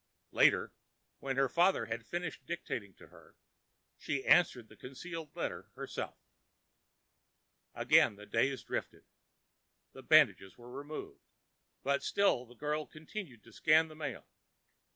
Later, when her father had finished dictating to her, she answered the concealed letter herself. Again the days drifted. The bandages were removed; but still the girl continued to scan the mail.